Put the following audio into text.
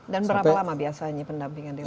dan berapa lama biasanya pendampingan